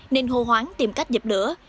nên hô hoáng tìm cách dập lửa